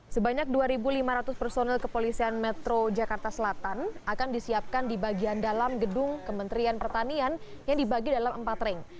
sebanyak dua lima ratus personil kepolisian metro jakarta selatan akan disiapkan di bagian dalam gedung kementerian pertanian yang dibagi dalam empat ring